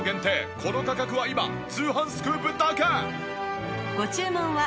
この価格は今『通販スクープ』だけ！